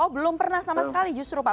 belum pernah sama sekali justru pak